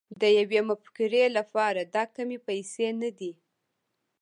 د يوې مفکورې لپاره دا کمې پيسې نه دي.